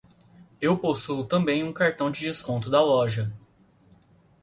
Eu possuo também um cartão de desconto da loja.